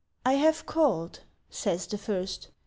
—"I have called," says the first.